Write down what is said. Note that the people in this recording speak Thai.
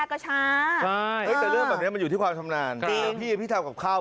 ก็ช้าแต่เรื่องแบบนี้มันอยู่ที่ความชำนาญพี่ทำกับข้าว